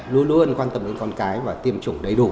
luôn luôn quan tâm đến con cái và tiêm chủng đầy đủ